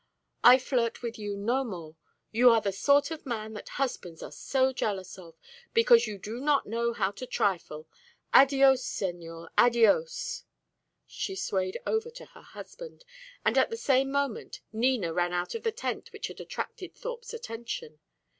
I flirt with you no more. You are the sort of man that husbands are so jealous of, because you do not know how to trifle. Adios, señor, adios!" She swayed over to her husband; and at the same moment Nina ran out of the tent which had attracted Thorpe's attention.